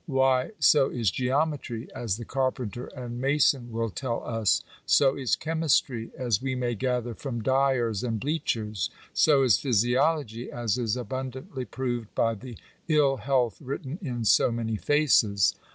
why so is geometry, as the carpenter and mason will tell us; so is chemistry, as we may gather from dyers and bleachers; so is physiology, as is abundantly proved by the ill health written in so many faces.